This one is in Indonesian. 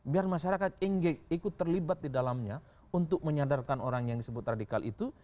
biar masyarakat inggik ikut terlibat di dalamnya untuk menyadarkan orang yang disebut radikal itu